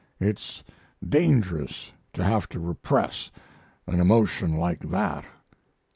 It's dangerous to have to repress an emotion like that."